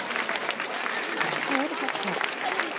รูทหกหก